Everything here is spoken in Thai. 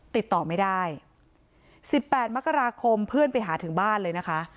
ติดต่อไม่ได้๑๘มกราคมเพื่อนไปหาถึงบ้านเลยนะคะ